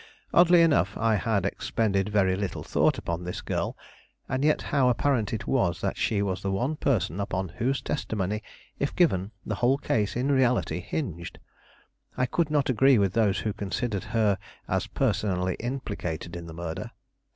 Oddly enough, I had expended very little thought upon this girl; and yet how apparent it was that she was the one person upon whose testimony, if given, the whole case in reality hinged, I could not agree with those who considered her as personally implicated in the murder.